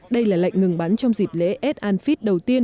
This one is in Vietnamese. đây là lệnh ngừng bắn trong dịp lễ eftanfit đầu tiên